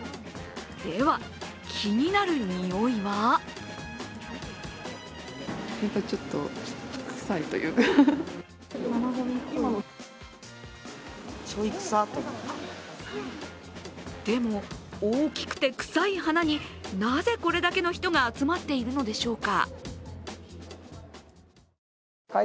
では、気になるにおいは？でも大きくて臭い花になぜこれだけの人が集まっているのでしょうか。